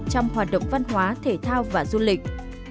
trong hoạt động văn hóa thể thao và du lịch